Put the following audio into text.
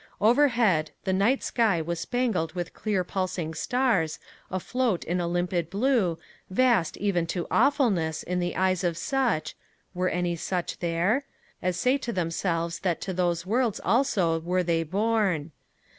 Overhead, the night sky was spangled with clear pulsing stars, afloat in a limpid blue, vast even to awfulness in the eyes of such were any such there? as say to themselves that to those worlds also were they born.